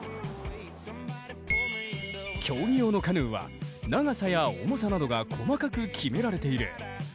競技用のカヌーは長さや重さなどが細かく決められている。